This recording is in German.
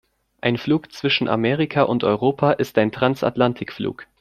Ein Flug zwischen Amerika und Europa ist ein Transatlantikflug.